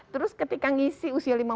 terus ketika ngisi usia lima puluh tujuh